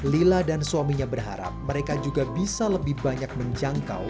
lila dan suaminya berharap mereka juga bisa lebih banyak menjangkau